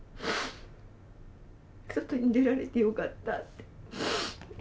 外に出られてよかったって。